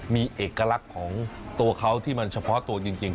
มีเอกลักษณ์ของตัวเขาที่มันเฉพาะตัวจริง